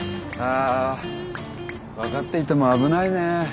あ分かっていても危ないね。